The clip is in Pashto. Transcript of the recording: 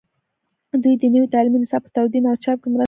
دوی د نوي تعلیمي نصاب په تدوین او چاپ کې مرسته کړې ده.